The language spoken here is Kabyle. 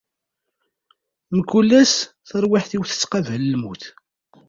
Mkul ass, tarwiḥt-iw tettqabal lmut.